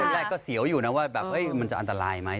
แรกก็เสียวอยู่นะว่าแบบมันจะอันตรายไหม